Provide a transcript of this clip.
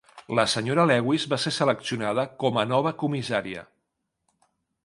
La Sra. Lewis va ser seleccionada com a nova comissària.